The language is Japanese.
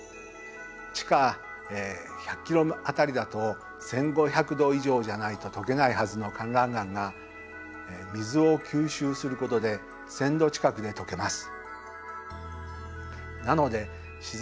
地下１００ｋｍ辺りだと１５００℃以上じゃないととけないはずのかんらん岩が水を吸収することで１０００℃近くでとけます。